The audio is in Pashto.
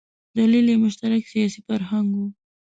دلیل یې مشترک سیاسي فرهنګ و.